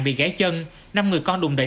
bị gãy chân năm người con đụng đẩy